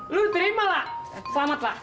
lo terima pak selamat pak